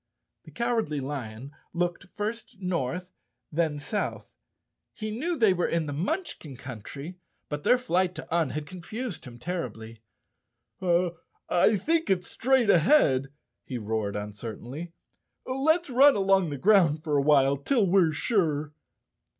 The Cowardly Lion looked first north, then south. He knew they were in the Munchkin Coun¬ try, but their flight to Un had confused him terribly. 181 The Cowardly Lion of Oz _ "I think it's straight ahead," he roared uncertainly. "Let's run along the ground for a while till we're sure."